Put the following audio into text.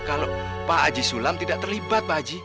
kalau pak haji sulam tidak terlibat pak haji